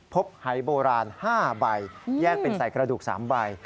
หายโบราณ๕ใบแยกเป็นใส่กระดูก๓ใบ